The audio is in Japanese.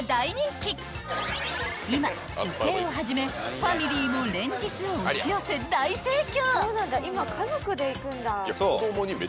［今女性をはじめファミリーも連日押し寄せ大盛況］